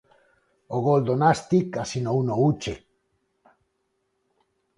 O gol do Nástic asinouno Uche.